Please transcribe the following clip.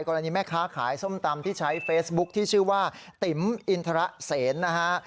แม่ค้าขายส้มตำที่ใช้เฟซบุ๊คที่ชื่อว่าติ๋มอินทรเสนนะฮะ